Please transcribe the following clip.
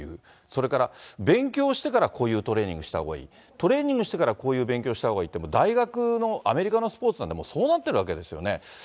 それから勉強してからこういうトレーニングしたほうがいい、トレーニングしてからこういう勉強したほうがいいって、大学の、アメリカのスポーツなんて、もうそうなってるわけですよね。